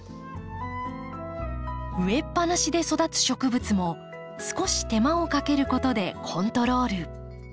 植えっぱなしで育つ植物も少し手間をかけることでコントロール。